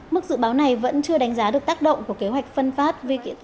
mức dự báo này vẫn chưa đánh giá được tác động của kế hoạch phân phát